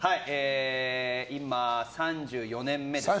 今、３４年目ですね。